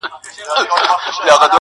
o شپه د چيغو شاهده وي,